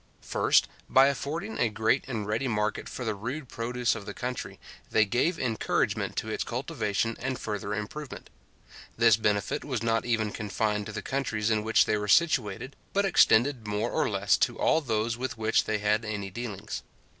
First, by affording a great and ready market for the rude produce of the country, they gave encouragement to its cultivation and further improvement. This benefit was not even confined to the countries in which they were situated, but extended more or less to all those with which they had any dealings.